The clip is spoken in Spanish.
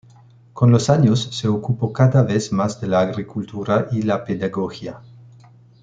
Con los años se ocupó cada vez más de la agricultura y la pedagogía.